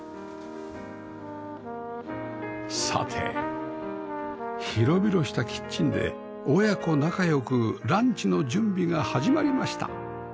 さて広々したキッチンで親子仲良くランチの準備が始まりました